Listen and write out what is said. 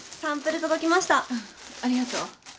ありがとう。